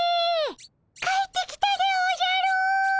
帰ってきたでおじゃる！